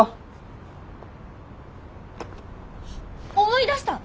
思い出した！